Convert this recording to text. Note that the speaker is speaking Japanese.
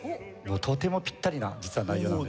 とてもピッタリな実は内容なんです。